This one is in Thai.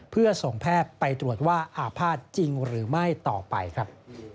เพื่อส่งแพทย์ไปตรวจว่าอาภาษณ์จริงหรือไม่ต่อไปครับ